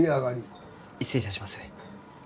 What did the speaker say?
失礼いたします。